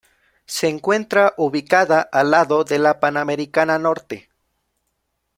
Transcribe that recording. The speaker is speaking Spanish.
Se encuentra ubicada al lado de la Panamericana Norte.